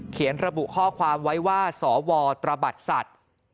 เขียนระบุข้อความไว้ว่าสวตระบัดสัตว์